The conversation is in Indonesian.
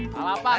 kalah apa kak